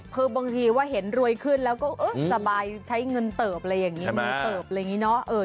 เพราะบางทีว่าเห็นรวยขึ้นแล้วก็สบายใช้เงินเติบอะไรอย่างนี้